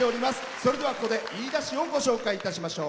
それでは、ここで飯田市をご紹介しましょう。